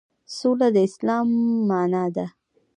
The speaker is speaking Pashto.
سوله د اسلام معنی ده